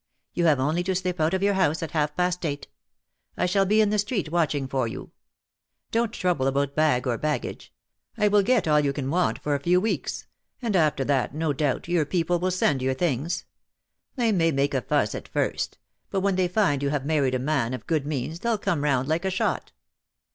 You have only to slip out of your house at half past eight. I shall be in the street watching for you. Don't trouble about bag or baggage. I will get all you can want for a few weeks — and after that no doubt your people will send your things. They may make a fuss at first; but when they find you have married a man of good means they'll come round like a shot."